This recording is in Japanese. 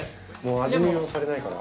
味見をされないから。